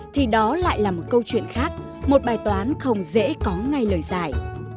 thì đó lại là một câu chuyện khác một bài toán không dễ có ngay lời giải